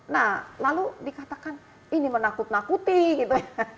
nah lalu dikatakan ini menakut nakuti gitu